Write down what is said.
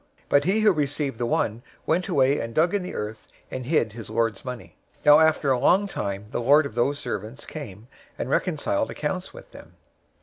025:018 But he who received the one went away and dug in the earth, and hid his lord's money. 025:019 "Now after a long time the lord of those servants came, and reconciled accounts with them.